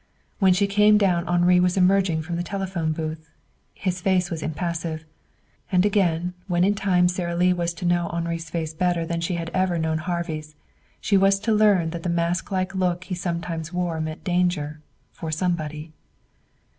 When she came down Henri was emerging from the telephone booth. His face was impassive. And again when in time Sara Lee was to know Henri's face better than she had ever known Harvey's, she was to learn that the masklike look he sometimes wore meant danger for somebody.